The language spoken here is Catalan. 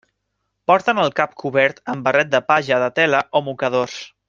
Porten el cap cobert amb barret de palla de tela o mocadors.